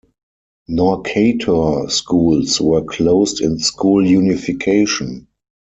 Norcatur schools were closed in school unification.